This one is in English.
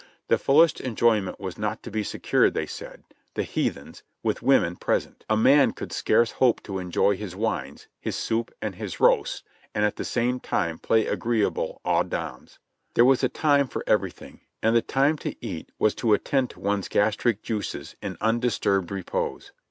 The fullest enjoyment was not to be secured, they said, — the heathens! — with women present. A man could scarce hope to enjoy his wines, his soup and his roasts, and at the same time play the agreeable aux dames. There was a time for everything; and the time to eat was to attend to one's gastric juices in undisturbed repose.